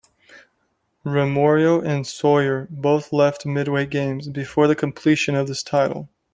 Romero and Sawyer both left Midway Games before the completion of this title.